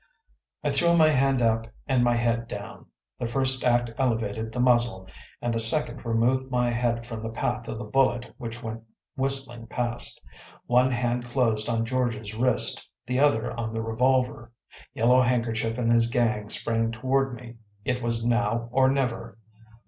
I threw my hand up and my head down. The first act elevated the muzzle, and the second removed my head from the path of the bullet which went whistling past. One hand closed on George’s wrist, the other on the revolver. Yellow Handkerchief and his gang sprang toward me. It was now or never.